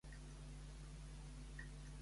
Es disculpa amb la Rosa llavors?